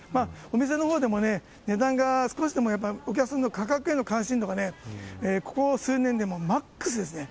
お店のほうでもね、値段が少しでも、やっぱりお客さんの価格への関心度が、ここ数年でもうマックスですね。